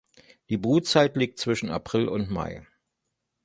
Die Brutzeit liegt zwischen April und Mai.